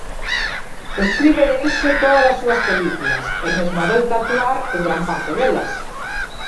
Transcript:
Escribe e dirixe tódalas súas películas e mesmo adoita actuar en gran parte delas.